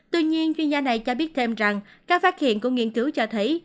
tuy nhiên chuyên gia này cho biết thêm rằng các phát hiện của nghiên cứu cho thấy